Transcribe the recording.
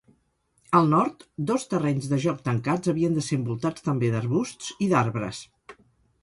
Al nord, dos terrenys de joc tancats havien de ser envoltats també d'arbusts i d'arbres.